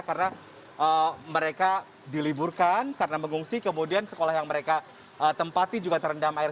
karena mereka diliburkan karena pengungsi kemudian sekolah yang mereka tempati juga terendam air